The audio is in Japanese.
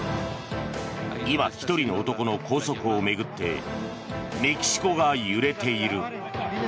今、１人の男の拘束を巡ってメキシコが揺れている。